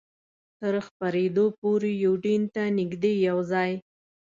تر خپرېدو پورې یوډین ته نږدې یو ځای.